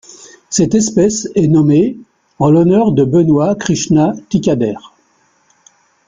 Cette espèce est nommée en l'honneur de Benoy Krishna Tikader.